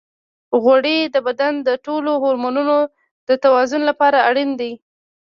غوړې د بدن د ټولو هورمونونو د توازن لپاره اړینې دي.